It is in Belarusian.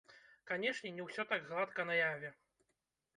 Канешне, не ўсё так гладка наяве.